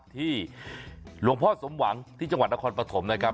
ที่หลวงพ่อสมหวังที่จังหวัดนครปฐมนะครับ